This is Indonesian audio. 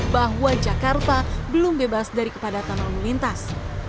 bahwa jakarta belum bebas dari kepadatan lalu lintas